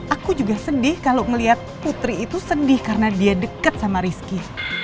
aku juga sedih kalau melihat putri itu sedih karena dia dekat sama rizky